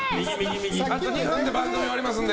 あと２分で番組終わりますので。